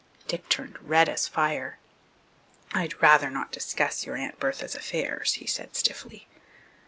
Dick turned as red as fire. "I'd rather not discuss your Aunt Bertha's affairs," he said stiffly.